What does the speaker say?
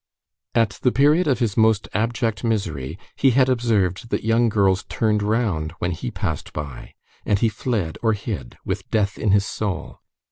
At the period of his most abject misery, he had observed that young girls turned round when he passed by, and he fled or hid, with death in his soul.